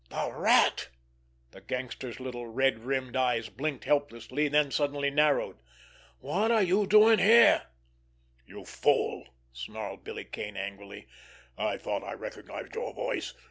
"The Rat!" The gangster's little red rimmed eyes blinked helplessly—then suddenly narrowed. "What are you doing here?" "You fool!" snarled Billy Kane angrily. "I thought I recognized your voice!